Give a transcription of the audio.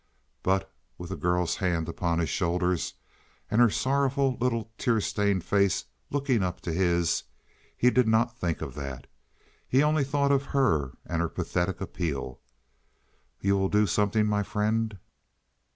But with the girl's hands upon his shoulders, and her sorrowful little tear stained face looking up to his, he did not think of that. He thought only of her and her pathetic appeal. "You will do something, my friend?